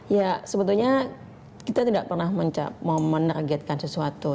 ya sebetulnya kita tidak pernah menargetkan sesuatu